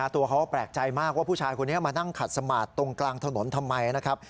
ตัวเขาแปลกใจมากว่าผู้ชายคนนี้มานั่งขัดสมาร์ทตรงกลางถนนทำไมนะครับ